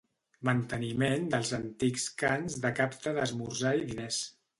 Manteniment dels antics cants de capta d'esmorzar i diners.